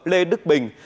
lê đức bình